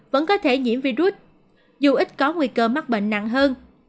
vẫn có thể nhiễm virus dù ít có nguy cơ mắc bệnh nặng hơn